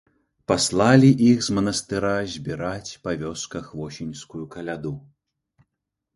Паслалі іх з манастыра збіраць па вёсках восеньскую каляду.